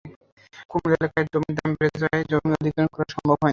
কুমিল্লা এলাকায় জমির দাম বেড়ে যাওয়ায় জমি অধিগ্রহণ করা সম্ভব হয়নি।